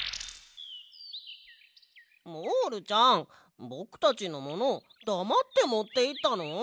モールちゃんぼくたちのものだまってもっていったの？